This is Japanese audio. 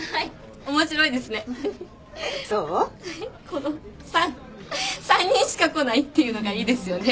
この３人しか来ないっていうのがいいですよね。